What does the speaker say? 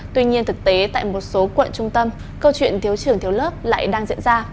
tuy nhiên thực tế tại một số quận trung tâm câu chuyện thiếu trường thiếu lớp lại đang diễn ra